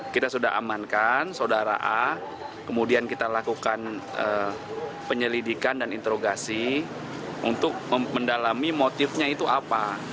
kita sudah amankan saudara a kemudian kita lakukan penyelidikan dan interogasi untuk mendalami motifnya itu apa